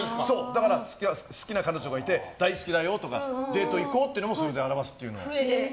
だから好きな彼女がいて大好きだよとかデート行こうっていうのもそれで表すという。